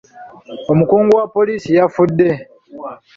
Omukungu wa poliisi yafudde.